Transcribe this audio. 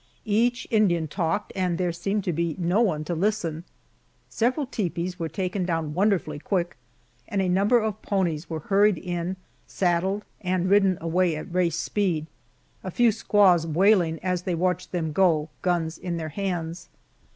Each Indian talked and there seemed to be no one to listen. Several tepees were taken down wonderfully quick, and a number of ponies were hurried in, saddled, and ridden away at race speed, a few squaws wailing as they watched them go, guns in their hands.